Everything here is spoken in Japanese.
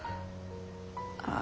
ああ。